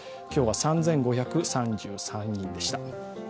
今日は３５３３人でした。